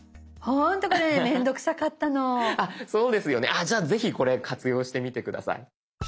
あじゃあぜひこれ活用してみて下さい。